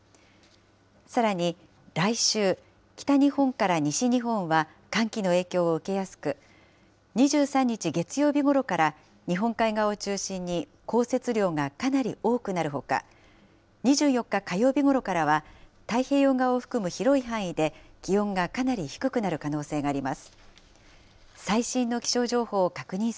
さらに来週、北日本から西日本は寒気の影響を受けやすく、２３日月曜日ごろから日本海側を中心に、降雪量がかなり多くなるほか、２４日火曜日ごろからは、太平洋側を含む広い範囲で、気温がかなり低くなる可能性があります。